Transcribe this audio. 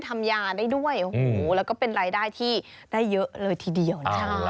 ทำยาได้ด้วยโอ้โหแล้วก็เป็นรายได้ที่ได้เยอะเลยทีเดียวนะคะ